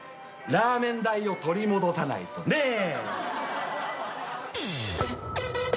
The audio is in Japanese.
ラーメン代を取り戻さないとね。